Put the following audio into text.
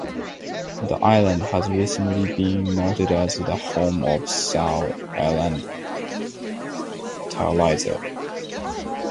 The island has recently been noted as the home of the Siau Island tarsier.